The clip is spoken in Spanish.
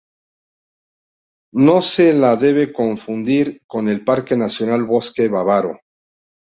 No se la debe confundir con el Parque Nacional Bosque Bávaro.